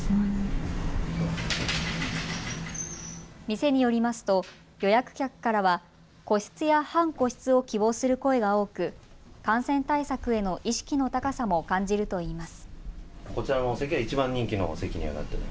店によりますと予約客からは個室や半個室を希望する声が多く感染対策への意識の高さも感じるといいます。